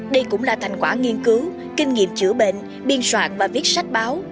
đây cũng là thành quả nghiên cứu kinh nghiệm chữa bệnh biên soạn và viết sách báo